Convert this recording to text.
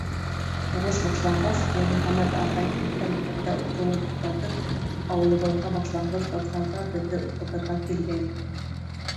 Һуғыш башланғас, Йәрмөхәмәт ағай, урта мәктәптә уҡыуын туҡтатып, ауылыбыҙға башланғыс кластарҙа беҙҙе уҡытырға килгәйне.